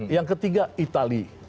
yang ketiga itali